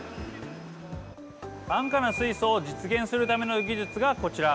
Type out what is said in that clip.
安価な水素を実現するための技術がこちら。